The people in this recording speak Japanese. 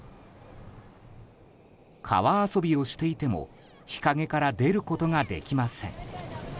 川遊びをしていても日陰から出ることができません。